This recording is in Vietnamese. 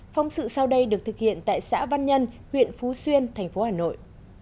phóng sự sau đây được thực hiện tại xã văn nhân huyện phú xuyên thành phố hà nội